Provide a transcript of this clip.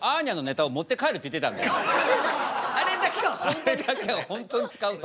あれだけは本当に使うと。